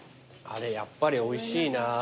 やっぱりおいしいなぁ。